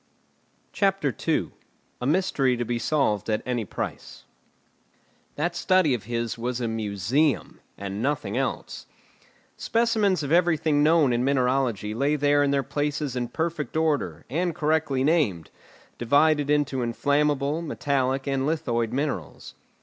CHAPTER II. A MYSTERY TO BE SOLVED AT ANY PRICE That study of his was a museum, and nothing else. Specimens of everything known in mineralogy lay there in their places in perfect order, and correctly named, divided into inflammable, metallic, and lithoid minerals.